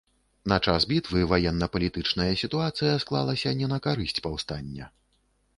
На час бітвы ваенна-палітычная сітуацыя склалася не на карысць паўстання.